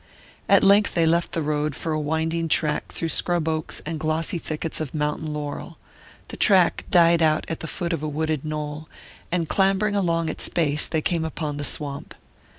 At length they left the road for a winding track through scrub oaks and glossy thickets of mountain laurel; the track died out at the foot of a wooded knoll, and clambering along its base they came upon the swamp.